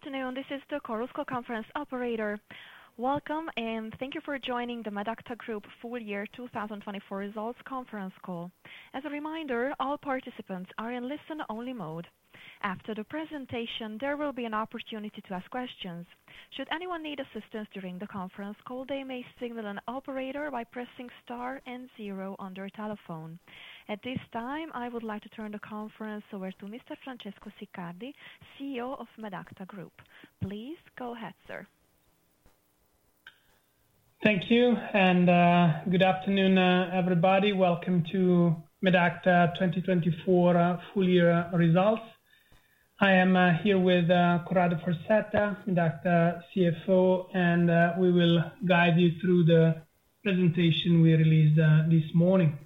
Good afternoon. This is the Corrado Farsetta Conference Operator. Welcome, and thank you for joining the Medacta Group Full Year 2024 Results Conference Call. As a reminder, all participants are in listen-only mode. After the presentation, there will be an opportunity to ask questions. Should anyone need assistance during the Conference Call, they may signal an operator by pressing star and zero on their telephone. At this time, I would like to turn the conference over to Mr. Francesco Siccardi, CEO of Medacta Group. Please go ahead, sir. Thank you, and good afternoon, everybody. Welcome to Medacta 2024 full year results. I am here with Corrado Farsetta, Medacta CFO, and we will guide you through the presentation we released this morning.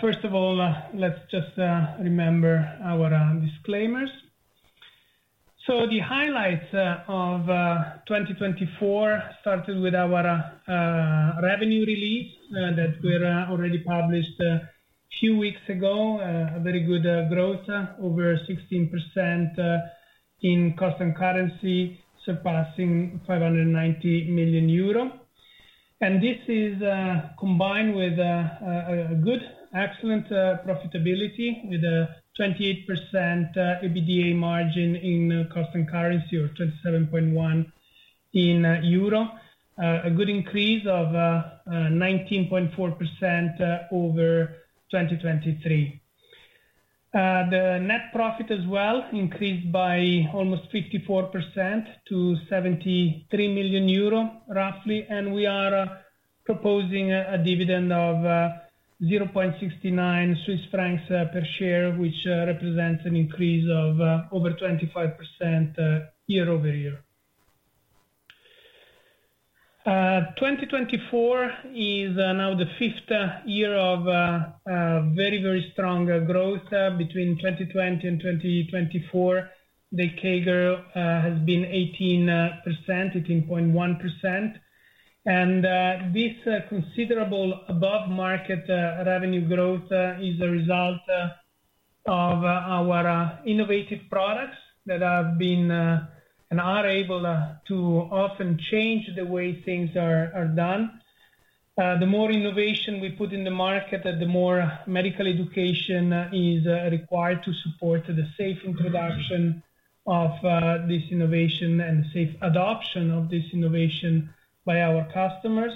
First of all, let's just remember our disclaimers. The highlights of 2024 started with our revenue release that we already published a few weeks ago: a very good growth, over 16% in constant currency, surpassing 590 million euro. This is combined with good, excellent profitability, with a 28% EBITDA margin in constant currency, or 27.1 million euro, a good increase of 19.4% over 2023. The net profit as well increased by almost 54% to 73 million euro, roughly, and we are proposing a dividend of 0.69 Swiss francs per share, which represents an increase of over 25% year over year. 2024 is now the fifth year of very, very strong growth. Between 2020 and 2024, the CAGR has been 18%, 18.1%. This considerable above-market revenue growth is a result of our innovative products that have been and are able to often change the way things are done. The more innovation we put in the market, the more medical education is required to support the safe introduction of this innovation and the safe adoption of this innovation by our customers.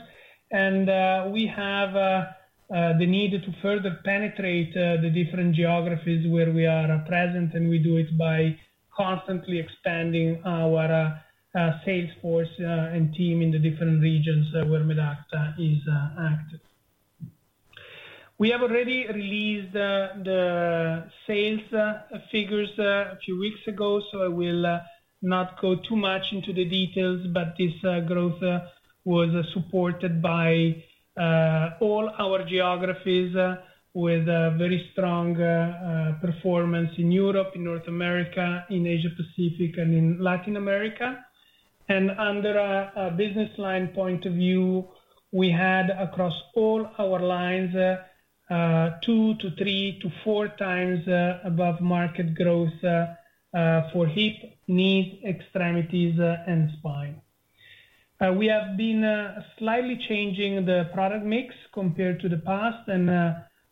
We have the need to further penetrate the different geographies where we are present, and we do it by constantly expanding our sales force and team in the different regions where Medacta is active. We have already released the sales figures a few weeks ago, so I will not go too much into the details, but this growth was supported by all our geographies with very strong performance in Europe, in North America, in Asia-Pacific, and in Latin America. Under a business line point of view, we had across all our lines two to three to four times above-market growth for hip, knees, extremities, and spine. We have been slightly changing the product mix compared to the past, and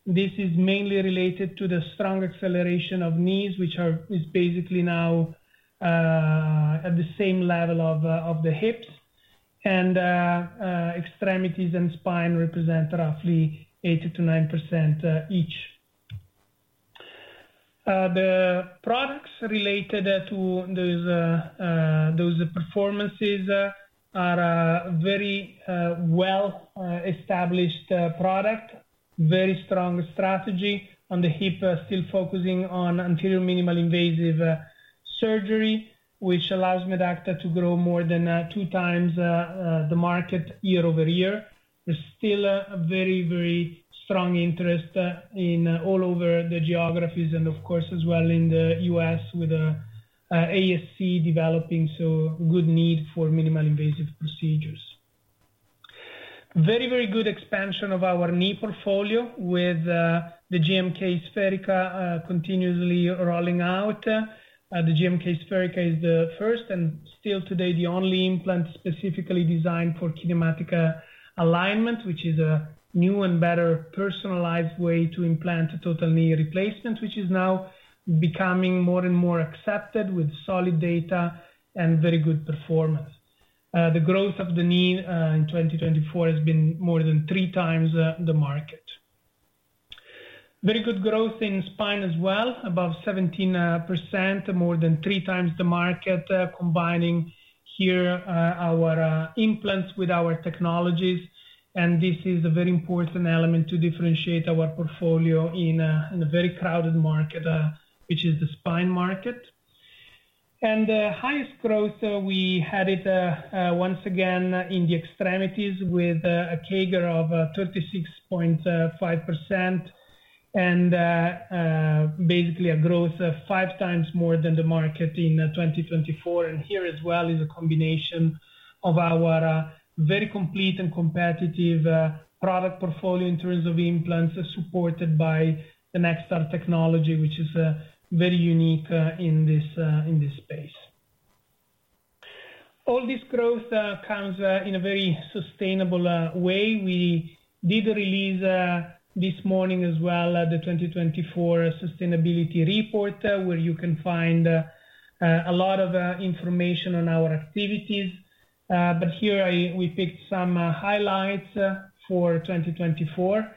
this is mainly related to the strong acceleration of knees, which is basically now at the same level of the hips. Extremities and spine represent roughly 80%-90% each. The products related to those performances are very well-established products, very strong strategy on the hip, still focusing on anterior minimal invasive surgery, which allows Medacta to grow more than two times the market year over year. There is still a very, very strong interest all over the geographies, and of course, as well in the U.S. with ASC developing so good need for minimal invasive procedures. Very, very good expansion of our knee portfolio with the GMK SpheriKA continuously rolling out. The GMK SpheriKA is the first and still today the only implant specifically designed for kinematic alignment, which is a new and better personalized way to implant a total knee replacement, which is now becoming more and more accepted with solid data and very good performance. The growth of the knee in 2024 has been more than three times the market. Very good growth in spine as well, above 17%, more than 3x the market, combining here our implants with our technologies. This is a very important element to differentiate our portfolio in a very crowded market, which is the spine market. The highest growth we had was once again in the extremities with a CAGR of 36.5% and basically a growth of 5x more than the market in 2024. Here as well is a combination of our very complete and competitive product portfolio in terms of implants supported by the NextAR technology, which is very unique in this space. All this growth comes in a very sustainable way. We did release this morning as well the 2024 sustainability report, where you can find a lot of information on our activities. Here we picked some highlights for 2024.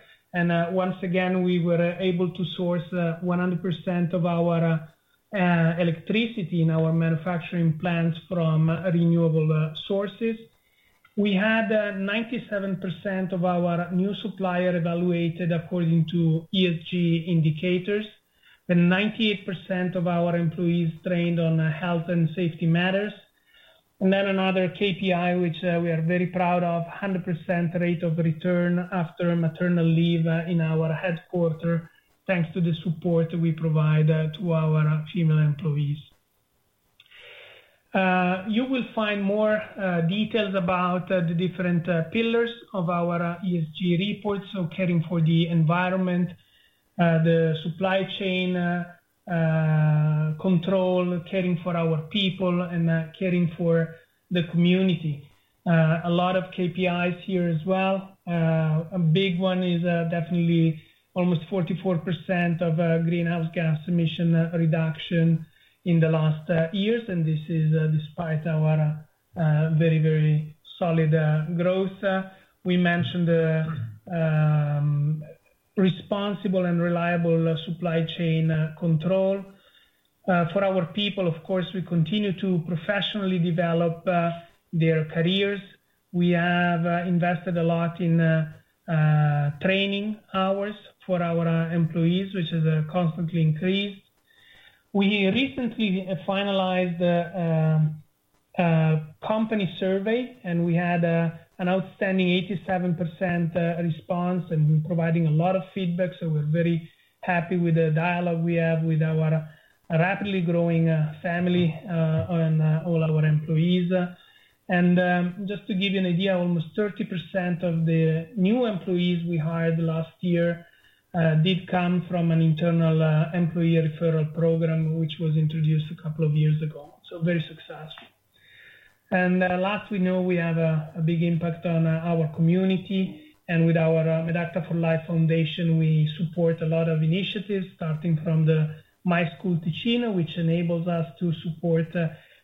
Once again, we were able to source 100% of our electricity in our manufacturing plants from renewable sources. We had 97% of our new suppliers evaluated according to ESG indicators, and 98% of our employees trained on health and safety matters. Another KPI, which we are very proud of, is a 100% rate of return after maternal leave in our headquarters, thanks to the support we provide to our female employees. You will find more details about the different pillars of our ESG report, caring for the environment, the supply chain control, caring for our people, and caring for the community. A lot of KPIs here as well. A big one is definitely almost 44% of greenhouse gas emission reduction in the last years, and this is despite our very, very solid growth. We mentioned responsible and reliable supply chain control. For our people, of course, we continue to professionally develop their careers. We have invested a lot in training hours for our employees, which has constantly increased. We recently finalized a company survey, and we had an outstanding 87% response, and we're providing a lot of feedback. We are very happy with the dialogue we have with our rapidly growing family and all our employees. To give you an idea, almost 30% of the new employees we hired last year did come from an internal employee referral program, which was introduced a couple of years ago. Very successful. Last, we know we have a big impact on our community. With our Medacta for Life Foundation, we support a lot of initiatives, starting from the My School Ticino, which enables us to support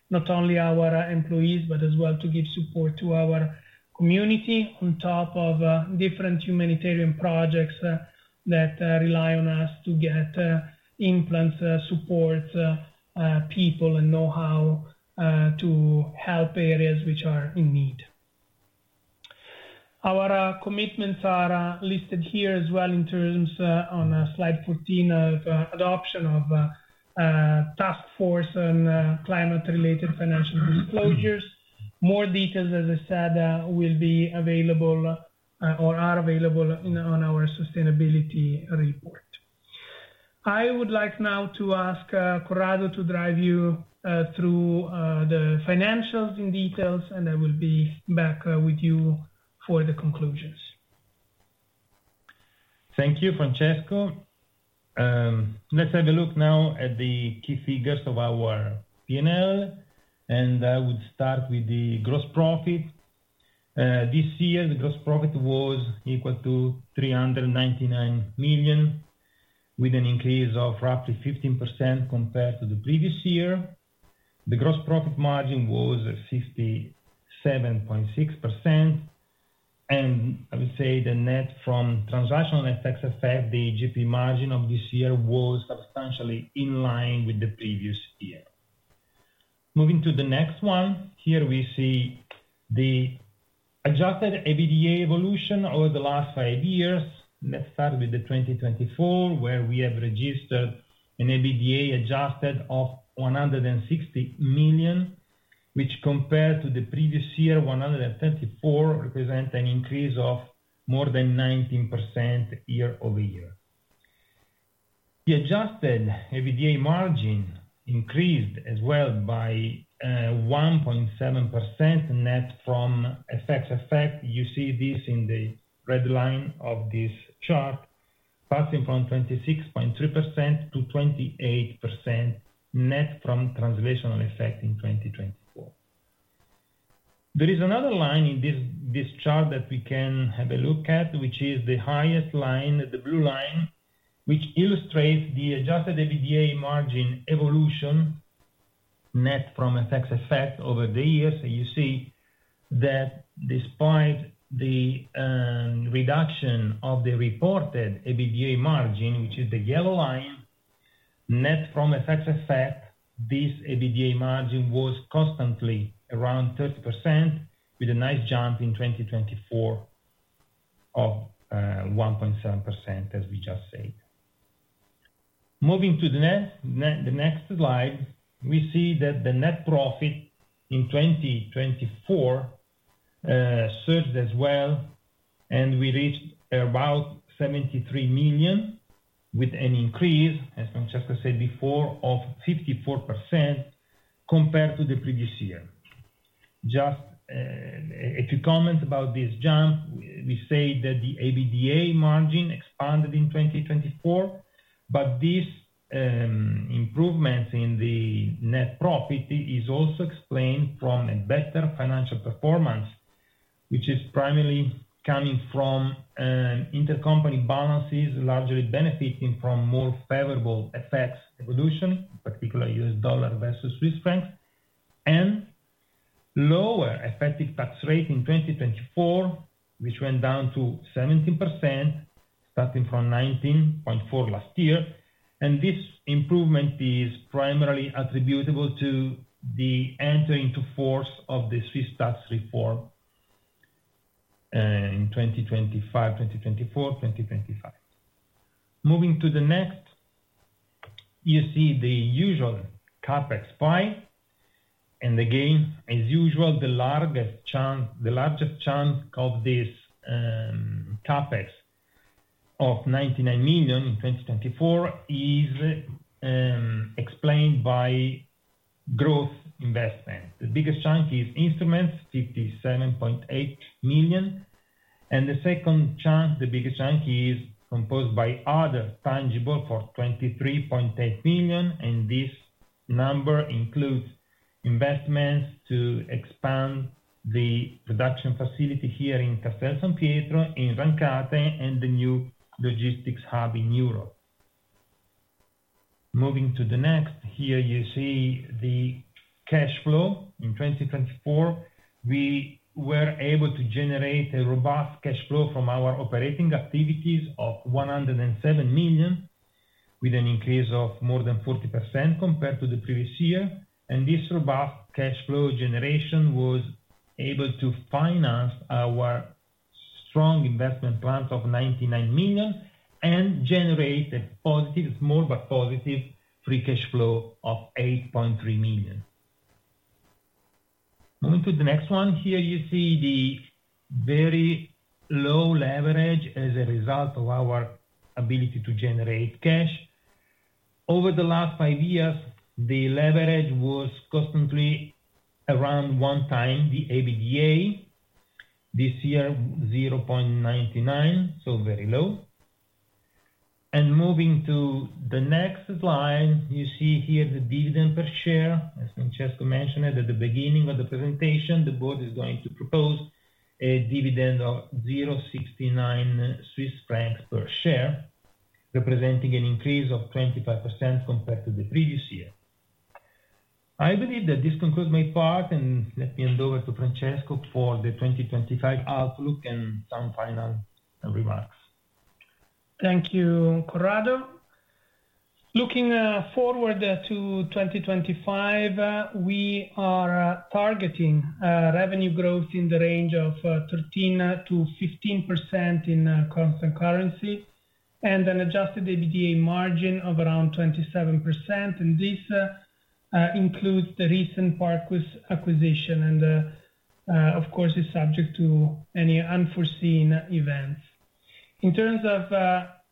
not only our employees, but as well to give support to our community on top of different humanitarian projects that rely on us to get implants, support people, and know-how to help areas which are in need. Our commitments are listed here as well in terms on slide 14 of adoption of Task Force on Climate-related Financial disclosures. More details, as I said, will be available or are available on our sustainability report. I would like now to ask Corrado to drive you through the financials in detail, and I will be back with you for the conclusions. Thank you, Francesco. Let's have a look now at the key figures of our P&L, and I would start with the gross profit. This year, the gross profit was equal to 399 million, with an increase of roughly 15% compared to the previous year. The gross profit margin was 57.6%. I would say the net from transactional net tax effect, the GP margin of this year was substantially in line with the previous year. Moving to the next one, here we see the adjusted EBITDA evolution over the last five years. Let's start with the 2024, where we have registered an EBITDA adjusted of 160 million, which compared to the previous year, 134 million, represents an increase of more than 19% year over year. The adjusted EBITDA margin increased as well by 1.7% net from effects effect. You see this in the red line of this chart, passing from 26.3% to 28% net from translational effect in 2024. There is another line in this chart that we can have a look at, which is the highest line, the blue line, which illustrates the adjusted EBITDA margin evolution net from effects effect over the years. You see that despite the reduction of the reported EBITDA margin, which is the yellow line, net from effects effect, this EBITDA margin was constantly around 30%, with a nice jump in 2024 of 1.7%, as we just said. Moving to the next slide, we see that the net profit in 2024 surged as well, and we reached about 73 million, with an increase, as Francesco said before, of 54% compared to the previous year. Just a few comments about this jump. We say that the EBITDA margin expanded in 2024, but this improvement in the net profit is also explained from a better financial performance, which is primarily coming from intercompany balances, largely benefiting from more favorable effects evolution, particularly U.S. dollar versus Swiss franc, and lower effective tax rate in 2024, which went down to 17%, starting from 19.4% last year. This improvement is primarily attributable to the entering into force of the Swiss tax reform in 2024, 2025. Moving to the next, you see the usual CapEx pie. As usual, the largest chunk of this CapEx of 99 million in 2024 is explained by growth investment. The biggest chunk is instruments, 57.8 million. The second chunk, the biggest chunk, is composed by other tangible for 23.8 million. This number includes investments to expand the production facility here in Castel San Pietro and Rancate and the new logistics hub in Europe. Moving to the next, here you see the cash flow. In 2024, we were able to generate a robust cash flow from our operating activities of 107 million, with an increase of more than 40% compared to the previous year. This robust cash flow generation was able to finance our strong investment plans of 99 million and generate a small but positive free cash flow of 8.3 million. Moving to the next one, here you see the very low leverage as a result of our ability to generate cash. Over the last five years, the leverage was constantly around one time, the EBITDA. This year, 0.99, so very low. Moving to the next slide, you see here the dividend per share. As Francesco mentioned at the beginning of the presentation, the board is going to propose a dividend of 0.69 Swiss francs per share, representing an increase of 25% compared to the previous year. I believe that this concludes my part, and let me hand over to Francesco for the 2025 outlook and some final remarks. Thank you, Corrado. Looking forward to 2025, we are targeting revenue growth in the range of 13% to 15% in constant currency and an adjusted EBITDA margin of around 27%. This includes the recent Parcus acquisition, and of course, it is subject to any unforeseen events. In terms of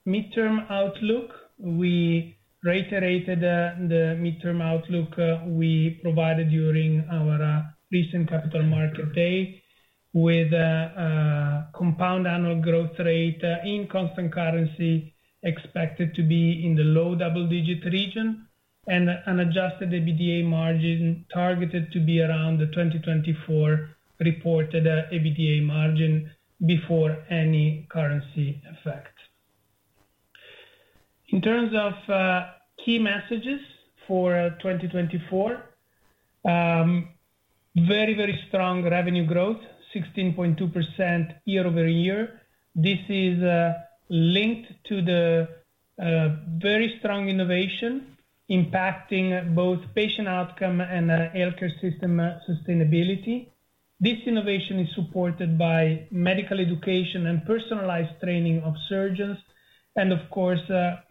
midterm outlook, we reiterated the midterm outlook we provided during our recent capital market day with a compound annual growth rate in constant currency expected to be in the low double-digit region and an adjusted EBITDA margin targeted to be around the 2024 reported EBITDA margin before any currency effect. In terms of key messages for 2024, very, very strong revenue growth, 16.2% year over year. This is linked to the very strong innovation impacting both patient outcome and healthcare system sustainability. This innovation is supported by medical education and personalized training of surgeons. Of course,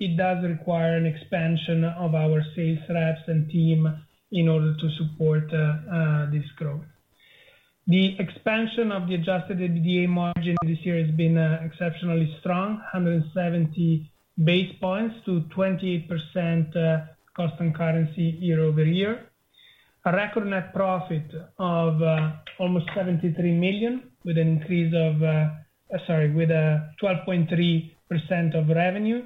it does require an expansion of our sales reps and team in order to support this growth. The expansion of the adjusted EBITDA margin this year has been exceptionally strong, 170 basis points to 28% cost and currency year-over-year. A record net profit of almost 73 million, with an increase of, sorry, with a 12.3% of revenue.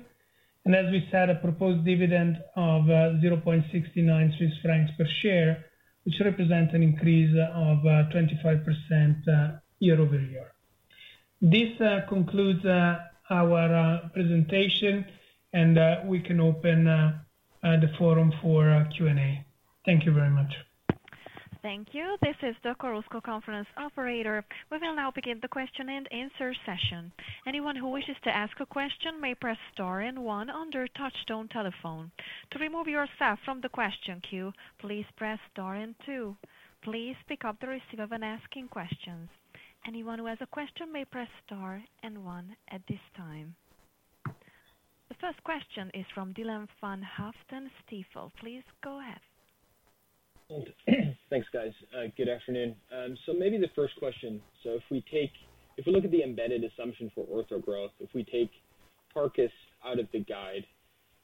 As we said, a proposed dividend of 0.69 Swiss francs per share, which represents an increase of 25% year-over-year. This concludes our presentation, and we can open the forum for Q&A. Thank you very much. Thank you. This is the Corrusco Conference Operator. We will now begin the question and answer session. Anyone who wishes to ask a question may press star and one on your Touchstone Telephone. To remove yourself from the question queue, please press star and two. Please pick up the receiver when asking questions. Anyone who has a question may press star and one at this time. The first question is from Dylan van Haaften Stifel. Please go ahead. Thanks, guys. Good afternoon. Maybe the first question, if we look at the embedded assumption for ortho growth, if we take Parcus out of the guide,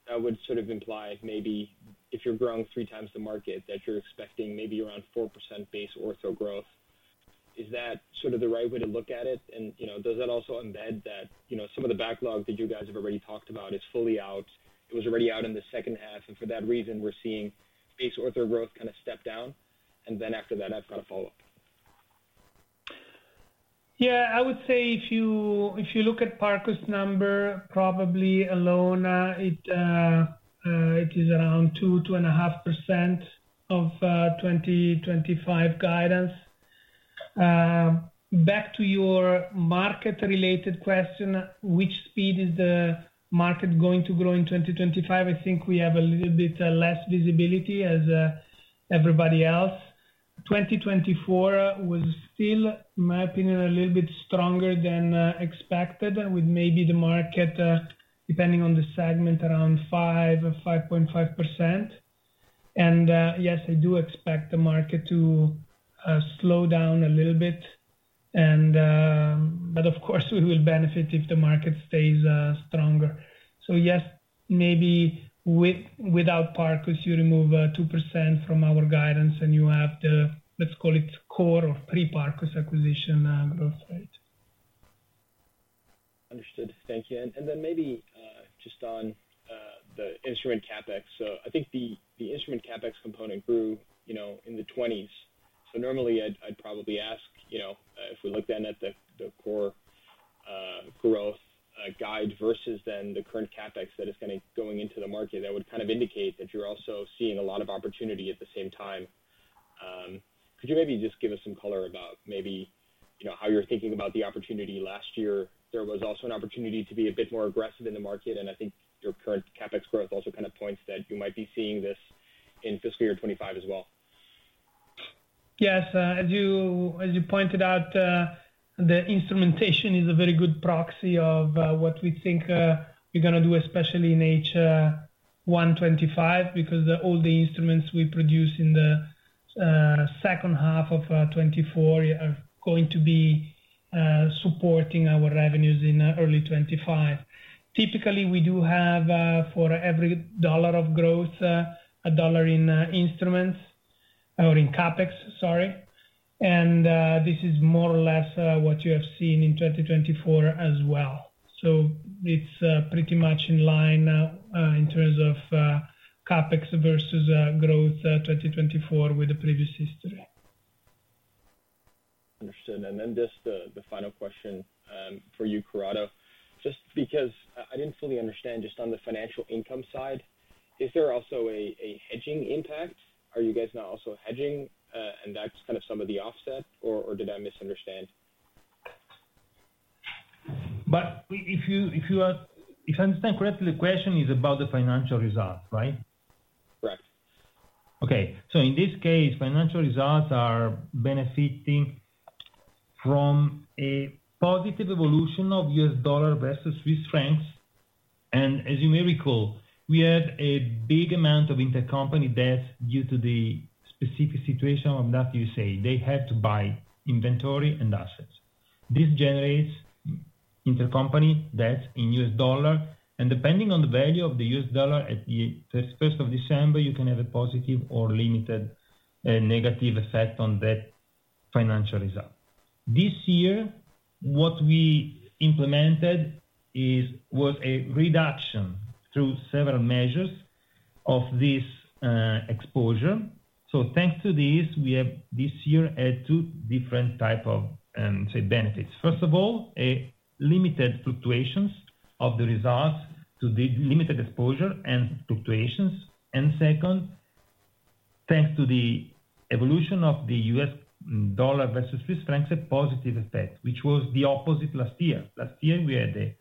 that would sort of imply maybe if you're growing three times the market, that you're expecting maybe around 4% base ortho growth. Is that sort of the right way to look at it? Does that also embed that some of the backlog that you guys have already talked about is fully out? It was already out in the second half, and for that reason, we're seeing base ortho growth kind of step down. After that, I've got a follow up. Yeah, I would say if you look at Parcus number, probably alone, it is around 2%-2.5% of 2025 guidance. Back to your market-related question, which speed is the market going to grow in 2025? I think we have a little bit less visibility as everybody else. 2024 was still, in my opinion, a little bit stronger than expected, with maybe the market, depending on the segment, around 5%-5.5%. Yes, I do expect the market to slow down a little bit. Of course, we will benefit if the market stays stronger. Yes, maybe without Parcus, you remove 2% from our guidance, and you have the, let's call it, core or pre-Parcus acquisition growth rate. Understood. Thank you. Maybe just on the instrument CapEx. I think the instrument CapEx component grew in the 20s. Normally, I'd probably ask if we look at the core growth guide versus the current CapEx that is kind of going into the market, that would indicate that you're also seeing a lot of opportunity at the same time. Could you maybe just give us some color about how you're thinking about the opportunity last year? There was also an opportunity to be a bit more aggressive in the market, and I think your current CapEx growth also points that you might be seeing this in fiscal year 2025 as well. Yes. As you pointed out, the instrumentation is a very good proxy of what we think we're going to do, especially in H1 2025, because all the instruments we produce in the second half of 2024 are going to be supporting our revenues in early 2025. Typically, we do have for every dollar of growth, a dollar in instruments or in CapEx, sorry. This is more or less what you have seen in 2024 as well. It is pretty much in line in terms of CapEx versus growth 2024 with the previous history. Understood. Just the final question for you, Corrado, just because I didn't fully understand just on the financial income side, is there also a hedging impact? Are you guys now also hedging, and that's kind of some of the offset, or did I misunderstand? If I understand correctly, the question is about the financial results, right? Correct. Okay. In this case, financial results are benefiting from a positive evolution of the U.S. dollar versus Swiss franc. As you may recall, we had a big amount of intercompany debt due to the specific situation of Medacta USA. They had to buy inventory and assets. This generates intercompany debt in U.S. dollar. Depending on the value of the U.S. dollar at the 31st of December, you can have a positive or limited negative effect on that financial result. This year, what we implemented was a reduction through several measures of this exposure. Thanks to this, we have this year had two different types of benefits. First of all, limited fluctuations of the results due to the limited exposure and fluctuations. Second, thanks to the evolution of the U.S. dollar versus Swiss franc, a positive effect, which was the opposite last year. Last year, we had a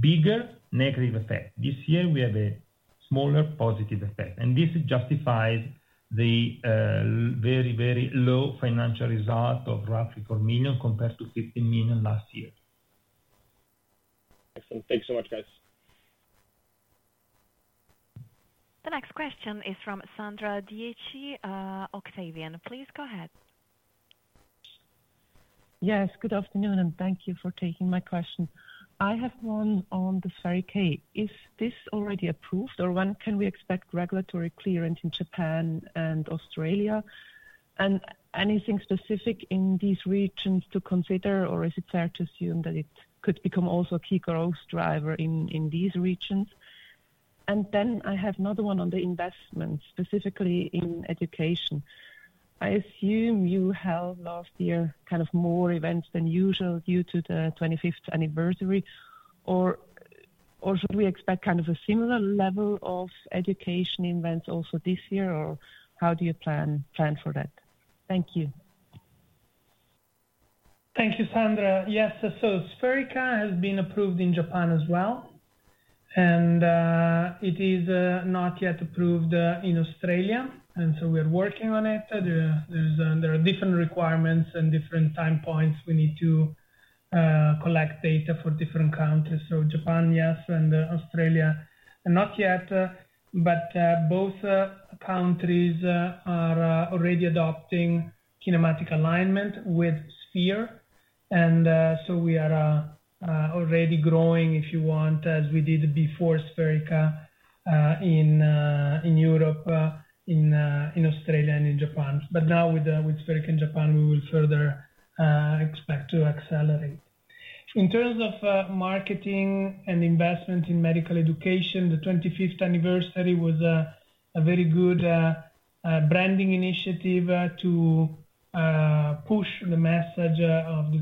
bigger negative effect. This year, we have a smaller positive effect. This justifies the very, very low financial result of roughly $4 million compared to $15 million last year. Excellent. Thanks so much, guys. The next question is from Sandra Dietschy Octavian. Please go ahead. Yes, good afternoon, and thank you for taking my question. I have one on the SpheriKA. Is this already approved, or when can we expect regulatory clearance in Japan and Australia? Anything specific in these regions to consider, or is it fair to assume that it could become also a key growth driver in these regions? I have another one on the investment, specifically in education. I assume you held last year kind of more events than usual due to the 25th anniversary. Should we expect kind of a similar level of education events also this year, or how do you plan for that? Thank you. Thank you, Sandra. Yes, so SpheriKA has been approved in Japan as well. It is not yet approved in Australia. We are working on it. There are different requirements and different time points. We need to collect data for different countries. Japan, yes, and Australia, not yet. Both countries are already adopting kinematic alignment with Sphere. We are already growing, if you want, as we did before SpheriKA in Europe, in Australia, and in Japan. Now with SpheriKA in Japan, we will further expect to accelerate. In terms of marketing and investment in medical education, the 25th anniversary was a very good branding initiative to push the message of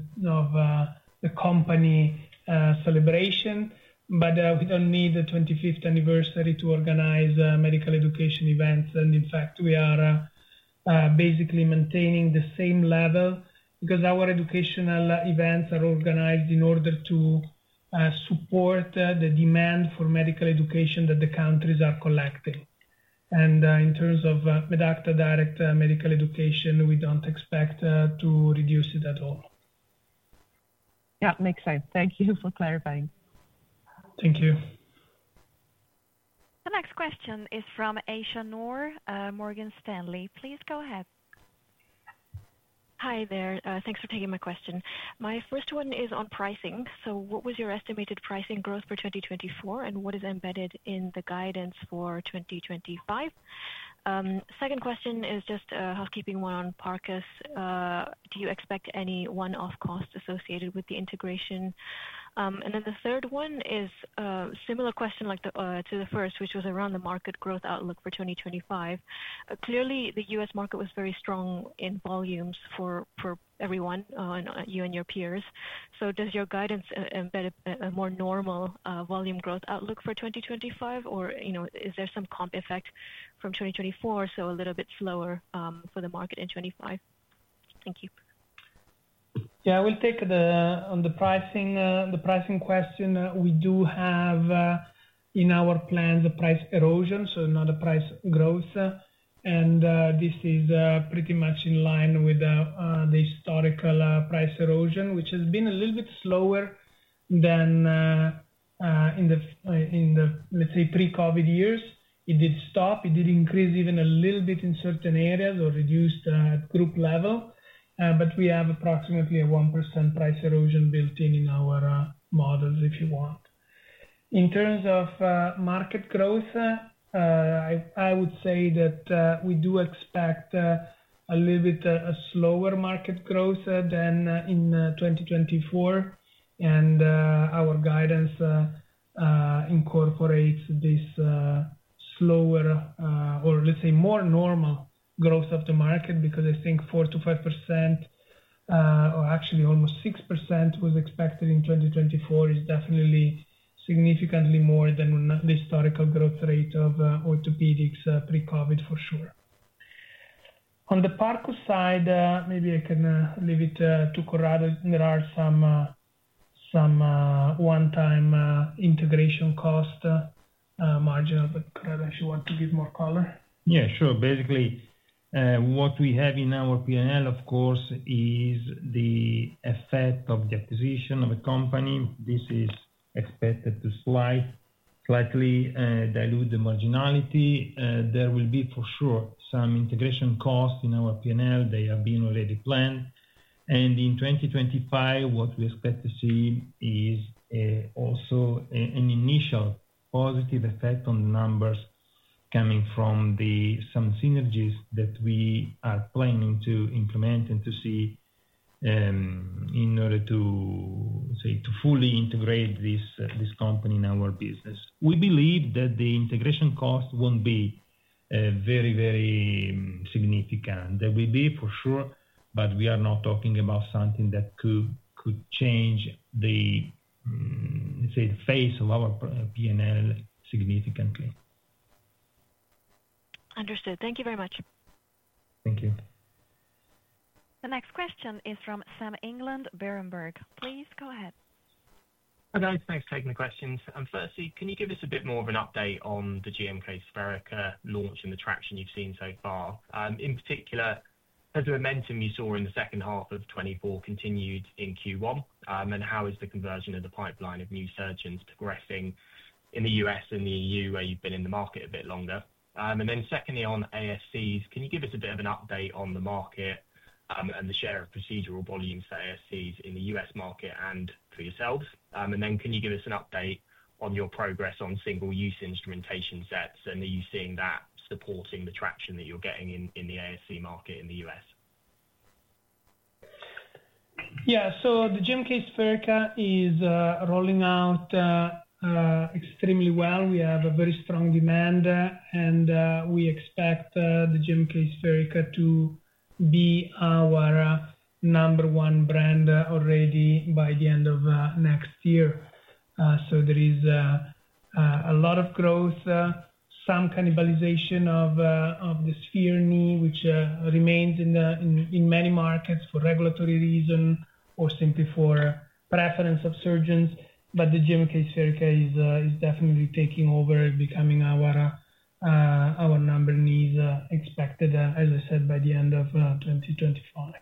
the company celebration. We do not need the 25th anniversary to organize medical education events. In fact, we are basically maintaining the same level because our educational events are organized in order to support the demand for medical education that the countries are collecting. In terms of Medacta Direct medical education, we do not expect to reduce it at all. Yeah, makes sense. Thank you for clarifying. Thank you. The next question is from Aisyah Noor, Morgan Stanley. Please go ahead. Hi there. Thanks for taking my question. My first one is on pricing. What was your estimated pricing growth for 2024, and what is embedded in the guidance for 2025? My second question is just a housekeeping one on Parcus. Do you expect any one-off costs associated with the integration? My third one is a similar question to the first, which was around the market growth outlook for 2025. Clearly, the U.S. market was very strong in volumes for everyone, you and your peers. Does your guidance embed a more normal volume growth outlook for 2025, or is there some comp effect from 2024, so a little bit slower for the market in 2025? Thank you. Yeah, I will take on the pricing question. We do have in our plan the price erosion, so not the price growth. This is pretty much in line with the historical price erosion, which has been a little bit slower than in the, let's say, pre-COVID years. It did stop. It did increase even a little bit in certain areas or reduced at group level. We have approximately a 1% price erosion built in our models, if you want. In terms of market growth, I would say that we do expect a little bit slower market growth than in 2024. Our guidance incorporates this slower or, let's say, more normal growth of the market because I think 4%-5%, or actually almost 6%, was expected in 2024 is definitely significantly more than the historical growth rate of orthopedics pre-COVID, for sure. On the Parcus side, maybe I can leave it to Corrado. There are some one-time integration cost margin, but Corrado, if you want to give more color. Yeah, sure. Basically, what we have in our P&L, of course, is the effect of the acquisition of a company. This is expected to slightly dilute the marginality. There will be, for sure, some integration costs in our P&L. They have been already planned. In 2025, what we expect to see is also an initial positive effect on the numbers coming from some synergies that we are planning to implement and to see in order to fully integrate this company in our business. We believe that the integration costs won't be very, very significant. There will be, for sure, but we are not talking about something that could change the, let's say, the face of our P&L significantly. Understood. Thank you very much. Thank you. The next question is from Sam England Berenberg. Please go ahead. Hi, guys. Thanks for taking the questions. Firstly, can you give us a bit more of an update on the GMK SpheriKA launch and the traction you've seen so far? In particular, has the momentum you saw in the second half of 2024 continued in Q1? How is the conversion of the pipeline of new surgeons progressing in the U.S. and the EU, where you've been in the market a bit longer? Secondly, on ASCs, can you give us a bit of an update on the market and the share of procedural volumes for ASCs in the U.S. market and for yourselves? Can you give us an update on your progress on single-use instrumentation sets? Are you seeing that supporting the traction that you're getting in the ASC market in the U.S.? Yeah, so the GMK SpheriKA is rolling out extremely well. We have a very strong demand, and we expect the GMK SpheriKA to be our number one brand already by the end of next year. There is a lot of growth, some cannibalization of the Sphere knee, which remains in many markets for regulatory reasons or simply for preference of surgeons. The GMK SpheriKA is definitely taking over, becoming our number one knees expected, as I said, by the end of 2025.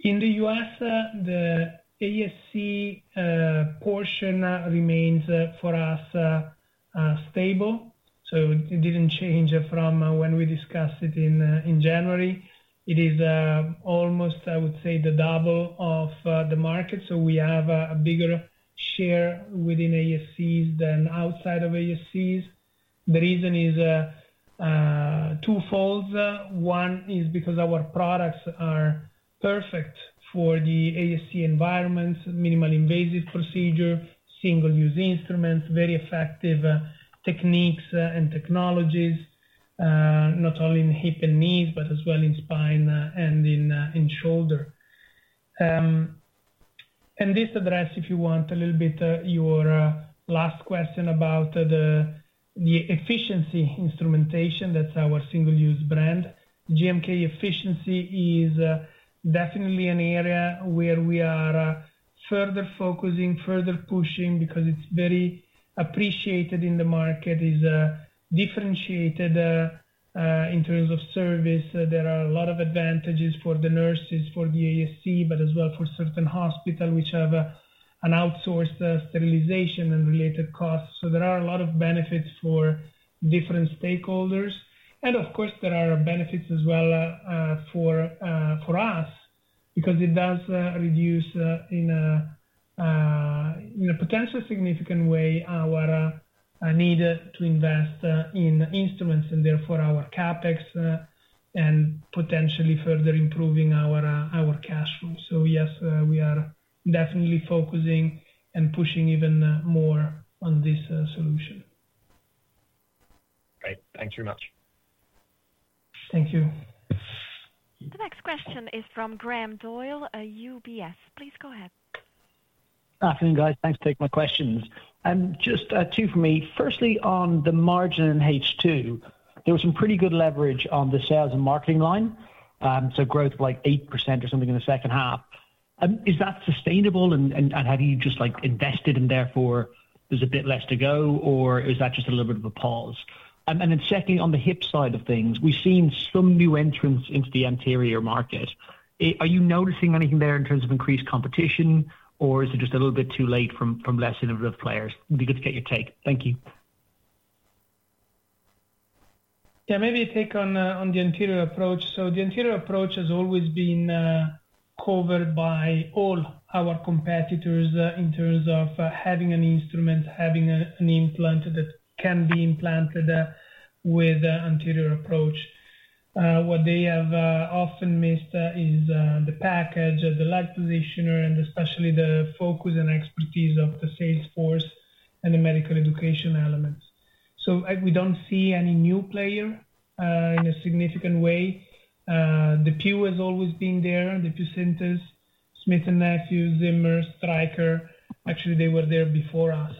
In the U.S., the ASC portion remains for us stable. It did not change from when we discussed it in January. It is almost, I would say, the double of the market. We have a bigger share within ASCs than outside of ASCs. The reason is twofold. One is because our products are perfect for the ASC environments, minimal invasive procedure, single-use instruments, very effective techniques and technologies, not only in hip and knees, but as well in spine and in shoulder. This addresses, if you want, a little bit your last question about the efficiency instrumentation. That's our single-use brand. GMK Efficiency is definitely an area where we are further focusing, further pushing because it's very appreciated in the market, is differentiated in terms of service. There are a lot of advantages for the nurses, for the ASC, but as well for certain hospitals, which have an outsourced sterilization and related costs. There are a lot of benefits for different stakeholders. Of course, there are benefits as well for us because it does reduce in a potentially significant way our need to invest in instruments and therefore our CapEx and potentially further improving our cash flow. Yes, we are definitely focusing and pushing even more on this solution. Great. Thanks very much. Thank you. The next question is from Graham Doyle at UBS. Please go ahead. Good afternoon, guys. Thanks for taking my questions. Just two for me. Firstly, on the margin and H2, there was some pretty good leverage on the sales and marketing line. So growth of like 8% or something in the second half. Is that sustainable, and have you just invested and therefore there's a bit less to go, or is that just a little bit of a pause? Secondly, on the hip side of things, we've seen some new entrants into the anterior market. Are you noticing anything there in terms of increased competition, or is it just a little bit too late from less innovative players? Would be good to get your take. Thank you. Yeah, maybe a take on the anterior approach. The anterior approach has always been covered by all our competitors in terms of having an instrument, having an implant that can be implanted with an anterior approach. What they have often missed is the package, the leg positioner, and especially the focus and expertise of the sales force and the medical education elements. We do not see any new player in a significant way. The PU has always been there, the PU Centers, Smith & Nephew, Zimmer Biomet, Stryker. Actually, they were there before us.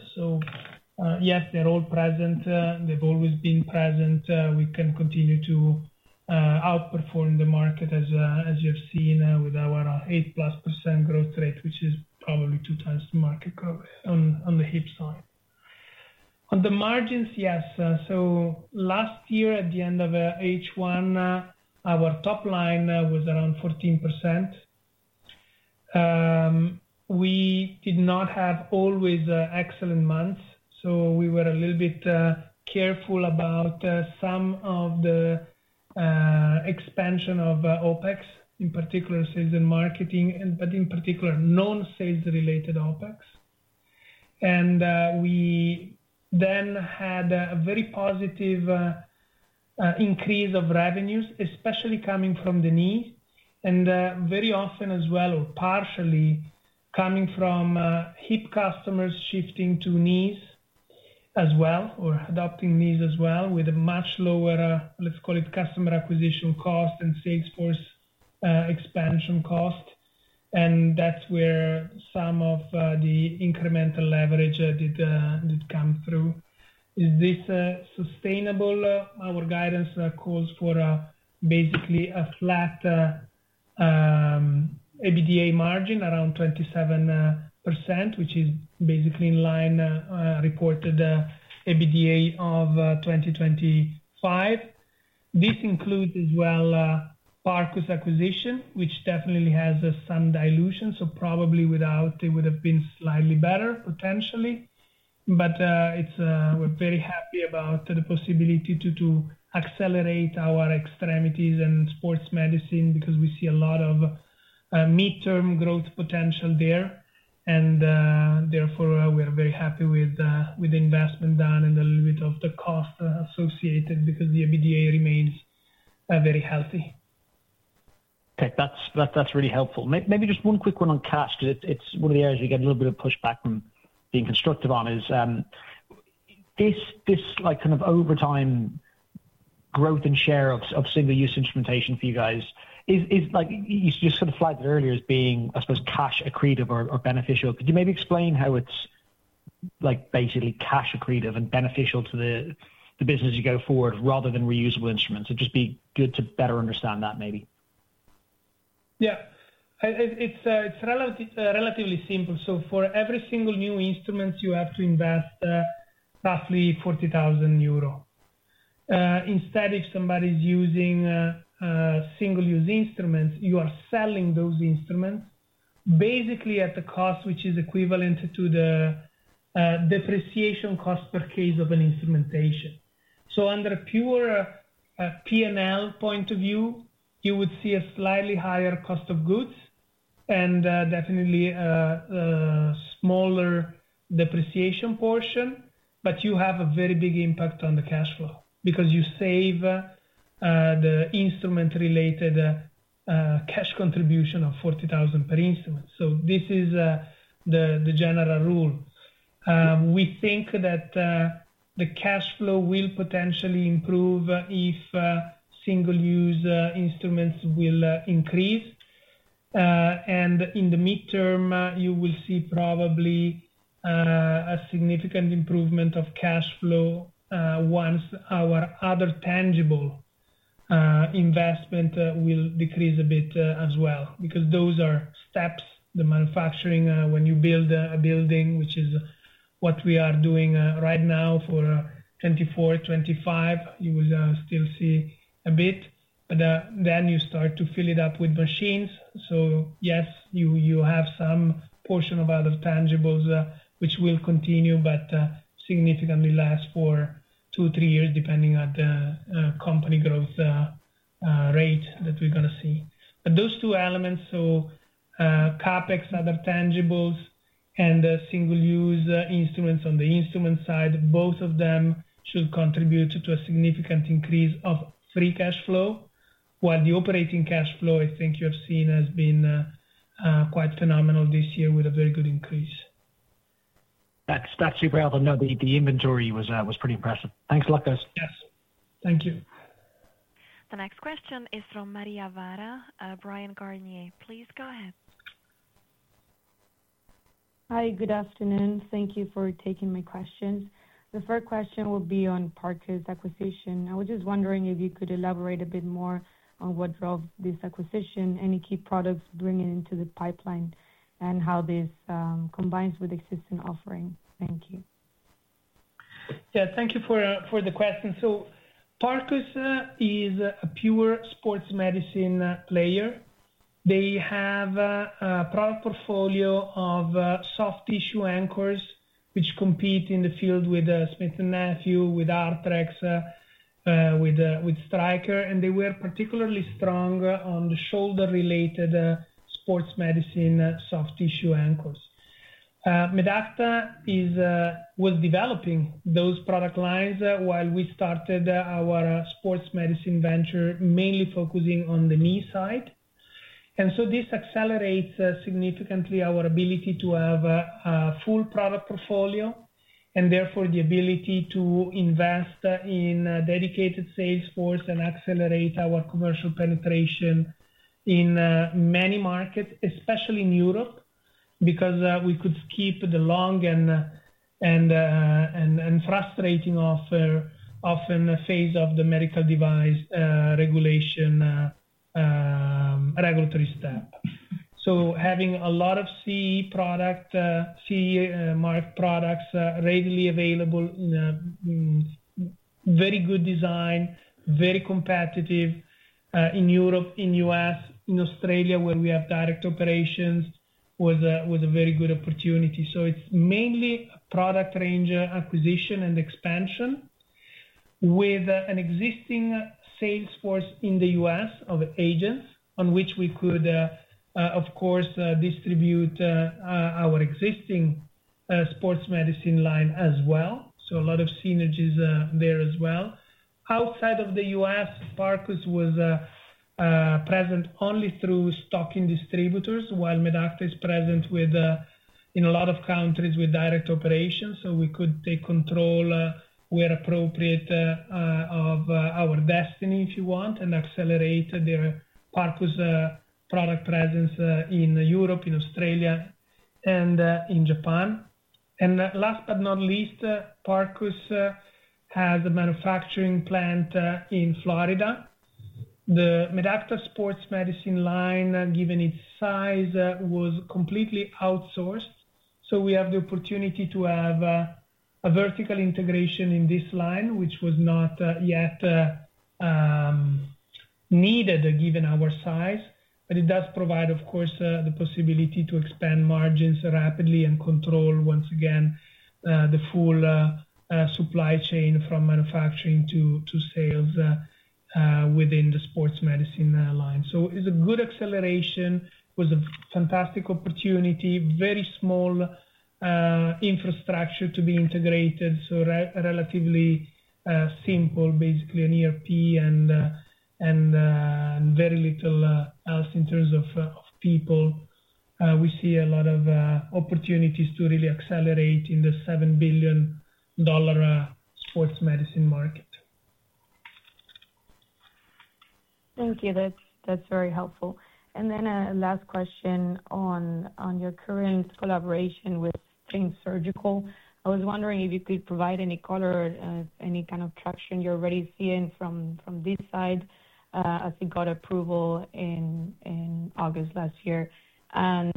Yes, they are all present. They have always been present. We can continue to outperform the market, as you have seen, with our 8+% growth rate, which is probably two times the market growth on the hip side. On the margins, yes. Last year, at the end of H1, our top line was around 14%. We did not have always excellent months. We were a little bit careful about some of the expansion of OpEx, in particular sales and marketing, but in particular non-sales-related OpEx. We then had a very positive increase of revenues, especially coming from the knee. Very often as well, or partially, coming from hip customers shifting to knees as well, or adopting knees as well, with a much lower, let's call it, customer acquisition cost and sales force expansion cost. That's where some of the incremental leverage did come through. Is this sustainable? Our guidance calls for basically a flat EBITDA margin, around 27%, which is basically in line with reported EBITDA of 2025. This includes as well Parcus Medical acquisition, which definitely has some dilution. Probably without, it would have been slightly better, potentially. We're very happy about the possibility to accelerate our extremities and sports medicine because we see a lot of mid-term growth potential there. Therefore, we are very happy with the investment done and a little bit of the cost associated because the EBITDA remains very healthy. Okay. That's really helpful. Maybe just one quick one on cash because it's one of the areas we get a little bit of pushback from being constructive on is this kind of overtime growth and share of single-use instrumentation for you guys. You just sort of flagged it earlier as being, I suppose, cash accretive or beneficial. Could you maybe explain how it's basically cash accretive and beneficial to the business as you go forward rather than reusable instruments? It'd just be good to better understand that, maybe. Yeah. It's relatively simple. For every single new instrument, you have to invest roughly 40,000 euro. Instead, if somebody's using single-use instruments, you are selling those instruments basically at the cost, which is equivalent to the depreciation cost per case of an instrumentation. Under a pure P&L point of view, you would see a slightly higher cost of goods and definitely a smaller depreciation portion. You have a very big impact on the cash flow because you save the instrument-related cash contribution of 40,000 per instrument. This is the general rule. We think that the cash flow will potentially improve if single-use instruments will increase. In the midterm, you will see probably a significant improvement of cash flow once our other tangible investment will decrease a bit as well because those are steps. The manufacturing, when you build a building, which is what we are doing right now for 2024, 2025, you will still see a bit. You start to fill it up with machines. Yes, you have some portion of other tangibles, which will continue, but significantly less for two, three years, depending on the company growth rate that we're going to see. Those two elements, CapEx, other tangibles, and single-use instruments on the instrument side, both of them should contribute to a significant increase of free cash flow, while the operating cash flow, I think you have seen, has been quite phenomenal this year with a very good increase. That's super helpful. No, the inventory was pretty impressive. Thanks, Lucas. Yes. Thank you. The next question is from Maria Vara, Bryan, Garnier. Please go ahead. Hi, good afternoon. Thank you for taking my questions. The first question will be on Parcus acquisition. I was just wondering if you could elaborate a bit more on what drove this acquisition, any key products bringing into the pipeline, and how this combines with existing offering. Thank you. Yeah, thank you for the question. Parcus is a pure sports medicine player. They have a product portfolio of soft tissue anchors, which compete in the field with Smith & Nephew, with Arthrex, with Stryker. They were particularly strong on the shoulder-related sports medicine soft tissue anchors. Medacta was developing those product lines while we started our sports medicine venture, mainly focusing on the knee side. This accelerates significantly our ability to have a full product portfolio and therefore the ability to invest in dedicated sales force and accelerate our commercial penetration in many markets, especially in Europe, because we could skip the long and frustrating often phase of the medical device regulation regulatory step. Having a lot of CE products, CE marked products readily available, very good design, very competitive in Europe, in the U.S., in Australia, where we have direct operations, was a very good opportunity. It is mainly product range acquisition and expansion with an existing sales force in the U.S. of agents on which we could, of course, distribute our existing sports medicine line as well. A lot of synergies there as well. Outside of the U.S., Parcus was present only through stocking distributors, while Medacta is present in a lot of countries with direct operations. We could take control where appropriate of our destiny, if you want, and accelerate their Parcus product presence in Europe, in Australia, and in Japan. Last but not least, Parcus has a manufacturing plant in Florida. The Medacta sports medicine line, given its size, was completely outsourced. We have the opportunity to have a vertical integration in this line, which was not yet needed given our size. It does provide, of course, the possibility to expand margins rapidly and control once again the full supply chain from manufacturing to sales within the sports medicine line. It is a good acceleration, was a fantastic opportunity, very small infrastructure to be integrated, so relatively simple, basically an ERP and very little else in terms of people. We see a lot of opportunities to really accelerate in the $7 billion sports medicine market. Thank you. That's very helpful. A last question on your current collaboration with THINK Surgical. I was wondering if you could provide any color, any kind of traction you're already seeing from this side as you got approval in August last year, and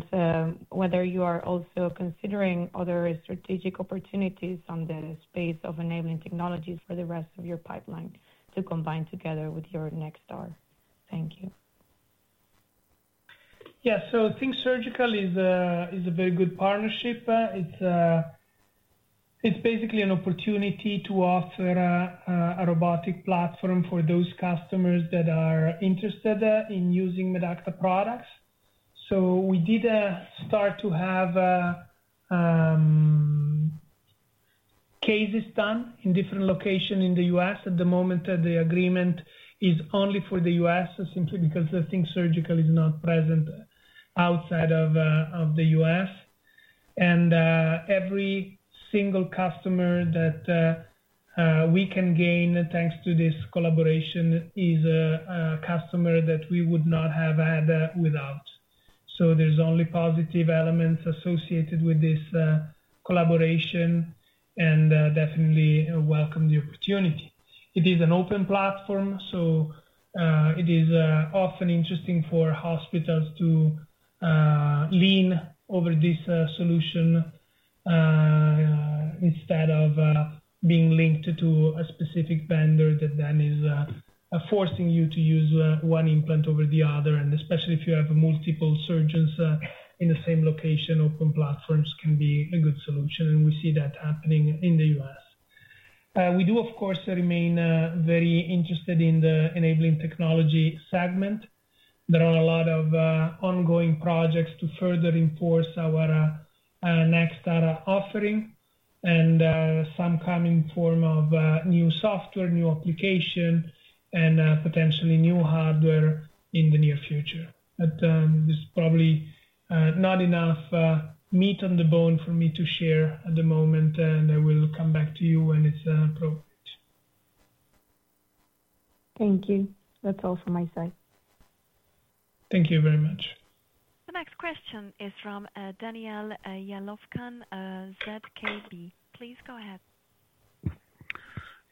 whether you are also considering other strategic opportunities in the space of enabling technologies for the rest of your pipeline to combine together with your NextAR. Thank you. Yeah. I think THINK Surgical is a very good partnership. It's basically an opportunity to offer a robotic platform for those customers that are interested in using Medacta products. We did start to have cases done in different locations in the U.S. At the moment, the agreement is only for the U.S. simply because THINK Surgical is not present outside of the U.S. Every single customer that we can gain thanks to this collaboration is a customer that we would not have had without. There's only positive elements associated with this collaboration and definitely welcome the opportunity. It is an open platform, so it is often interesting for hospitals to lean over this solution instead of being linked to a specific vendor that then is forcing you to use one implant over the other. Especially if you have multiple surgeons in the same location, open platforms can be a good solution. We see that happening in the U.S. We do, of course, remain very interested in the enabling technology segment. There are a lot of ongoing projects to further enforce our NextAR offering, and some come in the form of new software, new application, and potentially new hardware in the near future. There is probably not enough meat on the bone for me to share at the moment, and I will come back to you when it's appropriate. Thank you. That's all from my side. Thank you very much. The next question is from Daniel Jelovcan, ZKB. Please go ahead.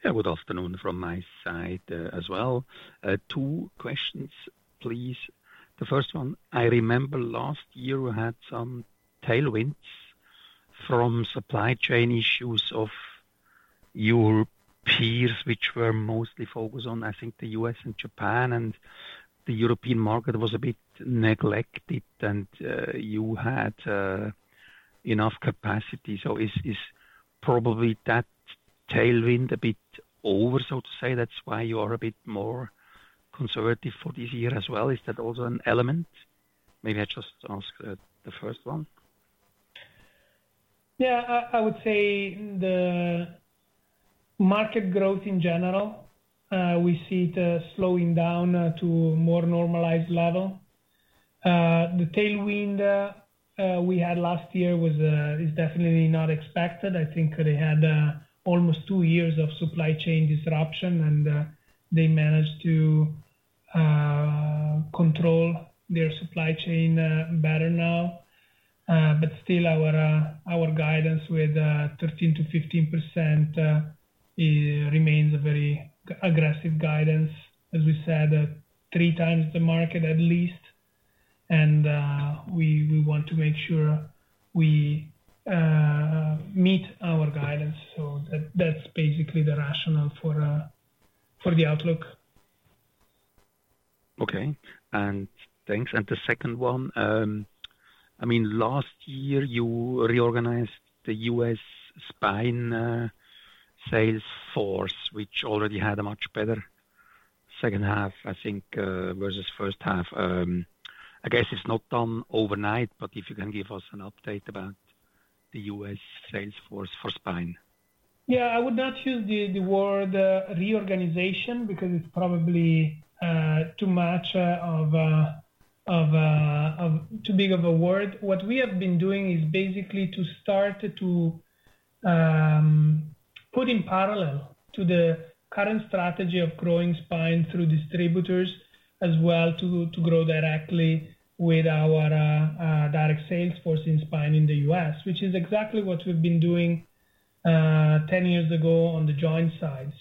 Yeah. Good afternoon from my side as well. Two questions, please. The first one, I remember last year we had some tailwinds from supply chain issues of your peers, which were mostly focused on, I think, the US and Japan, and the European market was a bit neglected, and you had enough capacity. Is probably that tailwind a bit over, so to say? That's why you are a bit more conservative for this year as well. Is that also an element? Maybe I just ask the first one. Yeah. I would say the market growth in general, we see it slowing down to a more normalized level. The tailwind we had last year was definitely not expected. I think they had almost two years of supply chain disruption, and they managed to control their supply chain better now. Still, our guidance with 13%-15% remains a very aggressive guidance, as we said, three times the market at least. We want to make sure we meet our guidance. That is basically the rationale for the outlook. Okay. Thanks. The second one, I mean, last year, you reorganized the U.S. spine sales force, which already had a much better second half, I think, versus first half. I guess it's not done overnight, but if you can give us an update about the U.S. sales force for spine. Yeah. I would not use the word reorganization because it's probably too much of too big of a word. What we have been doing is basically to start to put in parallel to the current strategy of growing spine through distributors as well to grow directly with our direct sales force in spine in the U.S., which is exactly what we've been doing 10 years ago on the joint side.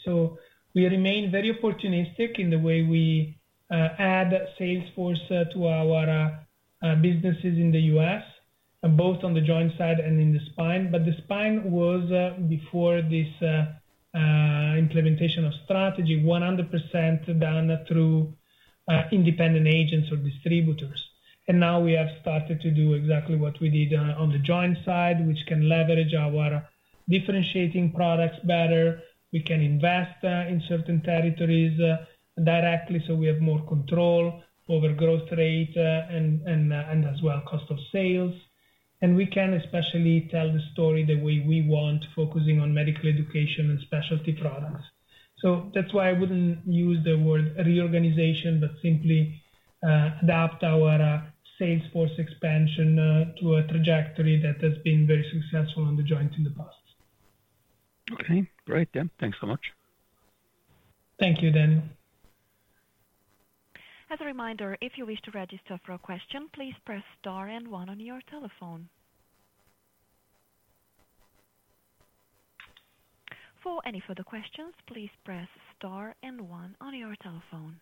We remain very opportunistic in the way we add sales force to our businesses in the U.S., both on the joint side and in the spine. The spine was, before this implementation of strategy, 100% done through independent agents or distributors. Now we have started to do exactly what we did on the joint side, which can leverage our differentiating products better. We can invest in certain territories directly, so we have more control over growth rate and as well cost of sales. We can especially tell the story the way we want, focusing on medical education and specialty products. That's why I wouldn't use the word reorganization, but simply adapt our sales force expansion to a trajectory that has been very successful on the joint in the past. Okay. Great. Yeah. Thanks so much. Thank you, Daniel. As a reminder, if you wish to register for a question, please press star and one on your telephone. For any further questions, please press star and one on your telephone.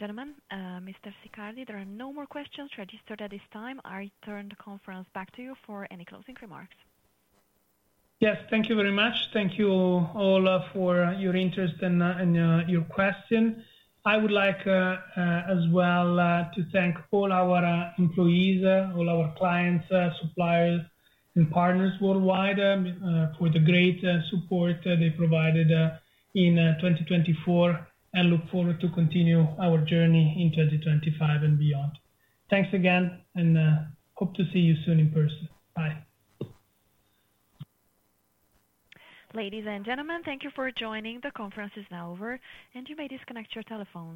Gentlemen, Mr. Siccardi, there are no more questions registered at this time. I turn the conference back to you for any closing remarks. Yes. Thank you very much. Thank you all for your interest and your question. I would like as well to thank all our employees, all our clients, suppliers, and partners worldwide for the great support they provided in 2024, and look forward to continue our journey in 2025 and beyond. Thanks again, and hope to see you soon in person. Bye. Ladies and gentlemen, thank you for joining. The conference is now over, and you may disconnect your telephone.